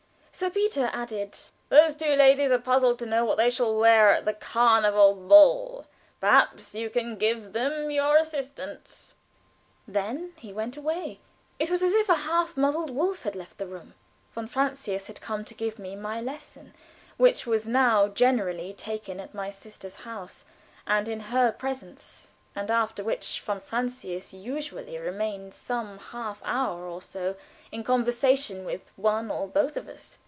Sir Peter added: "Those two ladies are puzzled to know what they shall wear at the Carnival Ball. Perhaps you can give them your assistance." Then he went away. It was as if a half muzzled wolf had left the room. Von Francius had come to give me my lesson, which was now generally taken at my sister's house and in her presence, and after which von Francius usually remained some half hour or so in conversation with one or both of us.